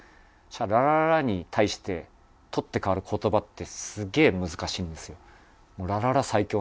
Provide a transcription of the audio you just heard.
「ららら」に対して取って代わる言葉ってすげえ難しいんですよ。